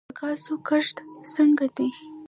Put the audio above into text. د ګازرو کښت څنګه دی؟